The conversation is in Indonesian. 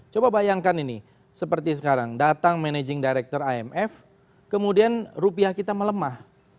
coba bayangkan ini seperti sekarang datang managing director imf kemudian rupiah kita melemah